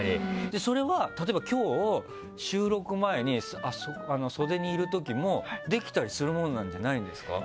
それは例えば今日収録前に袖にいるときもできたりするもんなんじゃないんですか？